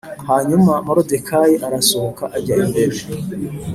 Hanyuma Moridekayi arasohoka ajya imbere